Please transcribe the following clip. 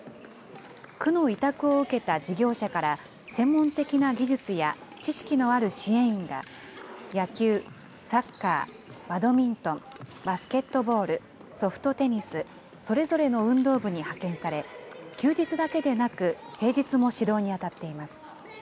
区の委託を受けた事業者から、専門的な技術や知識のある支援員が、野球、サッカー、バドミントン、バスケットボール、ソフトテニス、それぞれの運動部に派遣され、休日だけでなく、平日も指導に当たっています。